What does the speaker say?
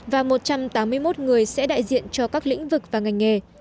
và một trăm tám mươi một người sẽ đại diện cho các lĩnh vực và ngành nghề